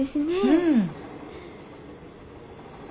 うん。